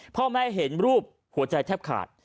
พ่อแม่เห็นรูปหัวใจแทบขาด